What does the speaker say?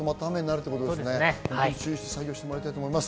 注意して作業してもらいたいと思います。